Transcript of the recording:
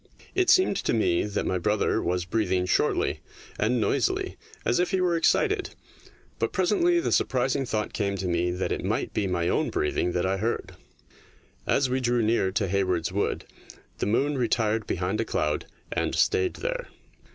It seemed to me that my brother was breathing shortly and noisily as if he were excited, but presently the surprising thought came to me that it might be my own breathing that I heard. As we drew near to Hayward's Wood the moon retired behind a cloud, and stayed there.